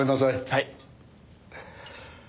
はい。